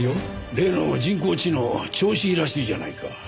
例の人工知能調子いいらしいじゃないか。